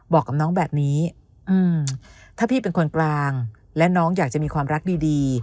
บอกกับน้องแบบนี้ถ้าพี่เป็นคนกลางและน้องอยากจะมีความรักดี